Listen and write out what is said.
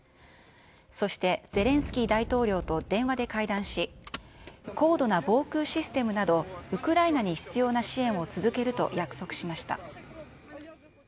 そしてゼレンスキー大統領と電話で会談し、高度な防空システムなど、ウクライナに必要な支援を続けると約束しました。